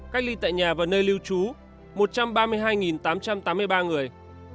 cách ly tại nhà và nơi lưu trú một trăm ba mươi hai tám trăm tám mươi ba người